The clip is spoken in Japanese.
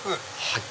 はい。